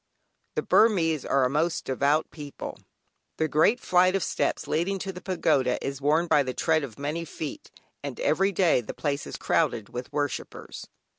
The Burmese are a most devout people; the great flight of steps leading to the Pagoda is worn by the tread of many feet, and every day the place is crowded with worshippers.